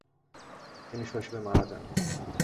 তিনি শৈশবে মারা যান।